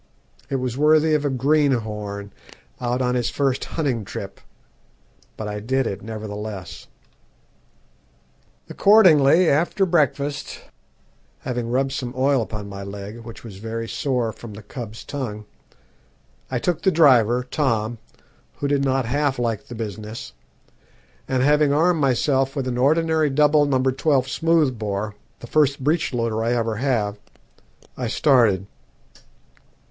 It was worthy of a greenhorn out on his first hunting trip; but I did it nevertheless. Accordingly after breakfast, having rubbed some oil upon my leg, which was very sore from the cub's tongue, I took the driver, Tom, who did not half like the business, and having armed myself with an ordinary double No. 12 smoothbore, the first breechloader I ever had, I started.